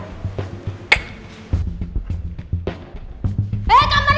eh kamarnya sini